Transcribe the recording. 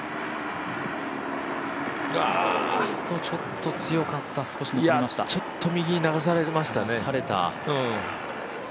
ちょっと強かったちょっと右に流されましたね。